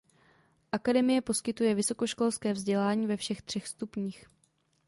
Akademie poskytuje vysokoškolské vzdělání ve všech třech stupních.